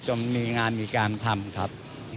มีงานมีการทำครับ